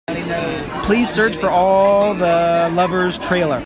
Please search for All the Lovers trailer.